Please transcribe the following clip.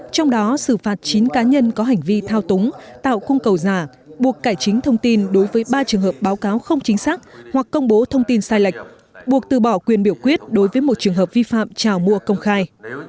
trong đó sự phạt chính cá nhân có hành vi thao túng tạo khung cầu giả buộc từ bỏ quyền biểu quyết đối với một trường hợp vi phạm trào mùa công khai